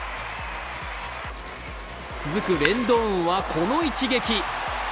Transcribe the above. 続くレンドーンはこの一撃。